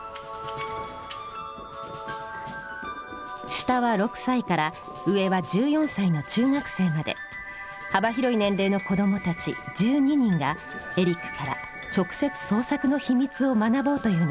下は６歳から上は１４歳の中学生まで幅広い年齢の子どもたち１２人がエリックから直接創作の秘密を学ぼうというのです。